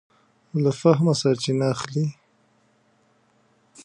له فهمه سرچینه اخلي.